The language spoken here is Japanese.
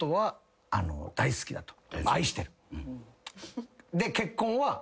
愛してる。